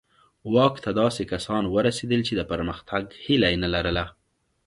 واک ته داسې کسان ورسېدل چې د پرمختګ هیله یې نه لرله.